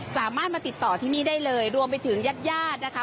สามารถมาติดต่อที่นี่ได้เลยรวมไปถึงญาติญาตินะคะ